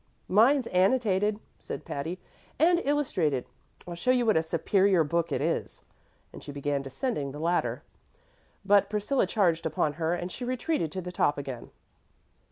"Mine's annotated," said Patty, "and illustrated. I'll show you what a superior book it is," and she began descending the ladder; but Priscilla charged upon her and she retreated to the top again.